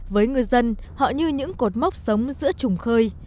với ngư dân họ như những cột mốc sống giữa trùng khơi